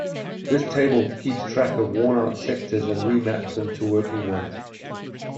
This table keeps track of worn-out sectors and remaps them to working ones.